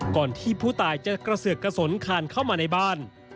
ก่อนที่ผู้ตายจะเกษื่อกสนคานเข้ามาในบ้าน